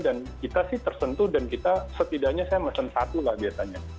dan kita sih tersentuh dan kita setidaknya saya mesin satu lah biasanya